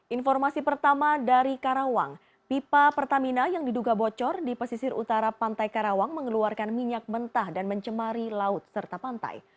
informasi pertama dari karawang pipa pertamina yang diduga bocor di pesisir utara pantai karawang mengeluarkan minyak mentah dan mencemari laut serta pantai